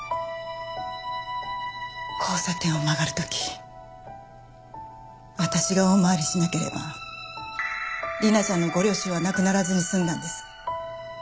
交差点を曲がる時私が大回りしなければ理奈ちゃんのご両親は亡くならずに済んだんです。